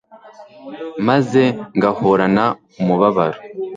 maze ngahorana umubabaro